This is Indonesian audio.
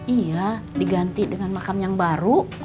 iya diganti dengan makam yang baru